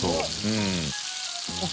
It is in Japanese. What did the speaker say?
うん。